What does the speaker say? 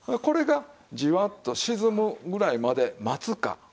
これがじわっと沈むぐらいまで待つか。